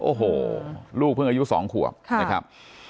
โอ้โหลูกเพิ่งอายุ๒ขวบนะครับ